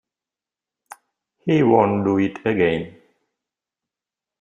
He won't do it again.